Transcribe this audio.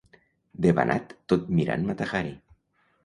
Debanat tot mirant Mata Hari.